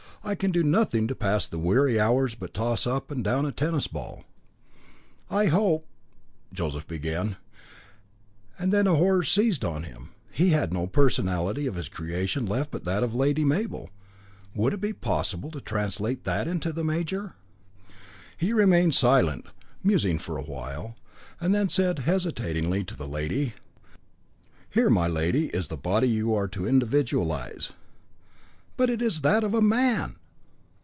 I can do nothing to pass the weary hours but toss up and down a tennis ball." "I hope " began Joseph; and then a horror seized on him. He had no personality of his creation left but that of Lady Mabel. Would it be possible to translate that into the major? He remained silent, musing for a while, and then said hesitatingly to the lady: "Here, my lady, is the body you are to individualise." "But it is that of a man!"